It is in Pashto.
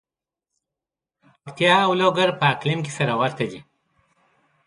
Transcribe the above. پکتیا او لوګر په اقلیم کې سره ورته دي.